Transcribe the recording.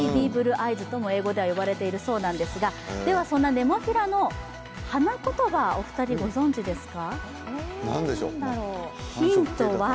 アイズとも英語では呼ばれているそうですが、そんなネモフィラの花言葉、お二人、ご存じですか？